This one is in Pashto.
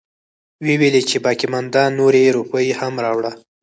وويلې چې باقيمانده نورې روپۍ هم راوړه.